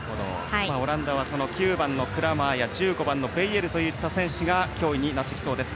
オランダは９番のクラーマーや１５番のベイエルという選手が脅威になってきそうです。